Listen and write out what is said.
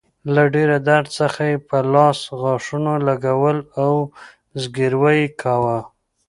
له ډیر درد څخه يې په لاس غاښونه لګول او زګیروی يې کاوه.